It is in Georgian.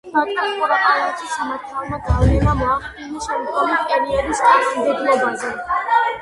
ბაგრატ კურაპალატის სამართალმა გავლენა მოახდინა შემდგომი პერიოდის კანონმდებლობაზე.